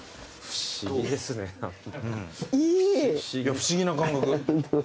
不思議な感覚。